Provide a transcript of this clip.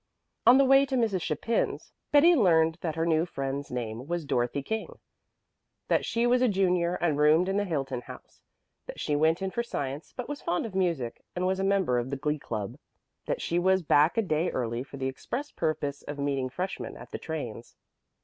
On the way to Mrs. Chapin's Betty learned that her new friend's name was Dorothy King, that she was a junior and roomed in the Hilton House, that she went in for science, but was fond of music and was a member of the Glee Club; that she was back a day early for the express purpose of meeting freshmen at the trains.